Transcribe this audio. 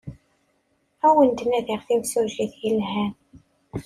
Ad awen-d-nadiɣ timsujjit yelhan.